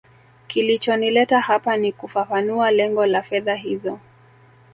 kilichonileta hapa ni kufafanua lengo la fedha hizo